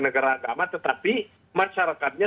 negara agama tetapi masyarakatnya